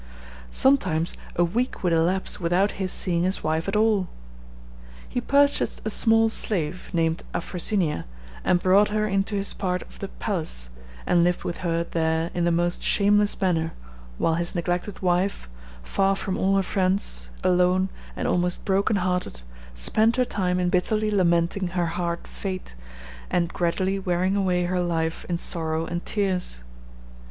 Sometimes a week would elapse without his seeing his wife at all. He purchased a small slave, named Afrosinia, and brought her into his part of the palace, and lived with her there in the most shameless manner, while his neglected wife, far from all her friends, alone, and almost broken hearted, spent her time in bitterly lamenting her hard fate, and gradually wearing away her life in sorrow and tears.